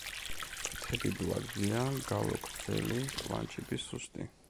ფრთები ბლაგვია, გალო გრძელი, კლანჭები სუსტი.